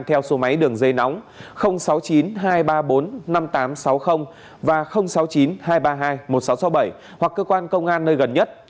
theo số máy đường dây nóng sáu mươi chín hai trăm ba mươi bốn năm nghìn tám trăm sáu mươi và sáu mươi chín hai trăm ba mươi hai một nghìn sáu trăm sáu mươi bảy hoặc cơ quan công an nơi gần nhất